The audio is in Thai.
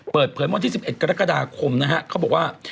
เปิดเผยวันที่๑๑กรกฎาคมนะฮะเขาบอกว่า